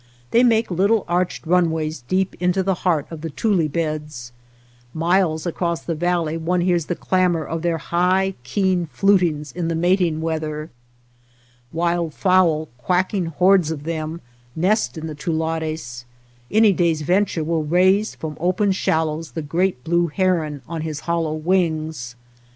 They make little arched runways deep into the heart of the tule beds. Miles across the valley one hears the clamor of their high, keen flutings in the mating weather. Wild fowl, quacking hordes of them, nest in the tulares. Any day's venture will raise from open shallows the great blue 241 OTHER WATER BORDERS heron on his hollow wings.